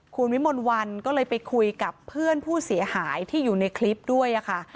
คุณวิมลวันก็เลยไปคุยกับเพื่อนผู้เสียหายที่อยู่ในคลิปด้วยค่ะ